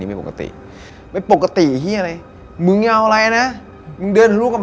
เมาจริงแหละ